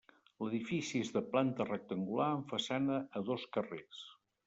L'edifici és de planta rectangular amb façana a dos carrers.